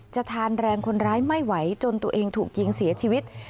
จะทานแรงคนร้ายไม่ไหวจนตัวเองถูกยิงเสียชีวิต